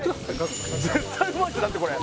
絶対うまいでしょだってこれ。